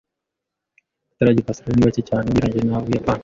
Abaturage ba Ositaraliya ni bake cyane ugereranije n'Ubuyapani.